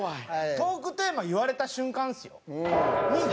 トークテーマ言われた瞬間ですよ。